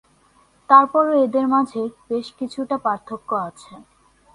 তারপরও এদের মাঝে বেশ কিছুটা পার্থক্য আছে।